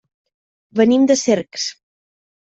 Venim de Cercs.